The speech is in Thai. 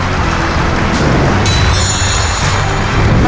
ค่อยไปคำว่า